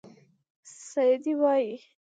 سعدي وایي.